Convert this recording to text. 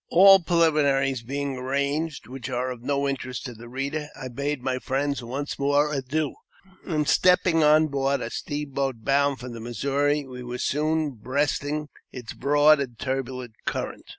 All preliminaries being arranged, which are of no interest to the reader, I bade my friends once more adieu ; and, stepping on board a steamboat bound up the Missouri, we were soon breasting its broad and turbid current.